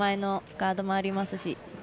前のガードもありますし。